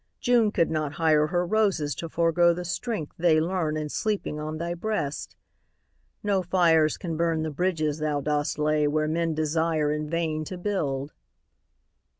June could not hire Her roses to forego the strength they learn In sleeping on thy breast. No fires can burn The bridges thou dost lay where men desire In vain to build.